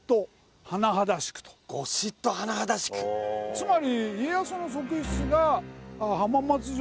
つまり。